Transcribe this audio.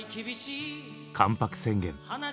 「関白宣言」。